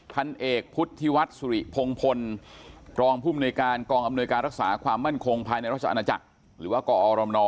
ทันเอกพุทธิวัตดิ์สุริภงพลปรองผู้บนวยการกองอำนวยการรักษาความมั่นคมภายในทรัศนาจักร